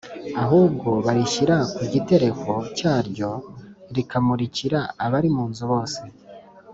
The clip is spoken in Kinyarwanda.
ahubwo barishyira ku gitereko cyaryo rikamurikira abari mu nzu bose.